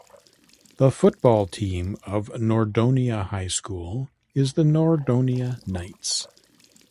The football team of Nordonia High School is the Nordonia Knights.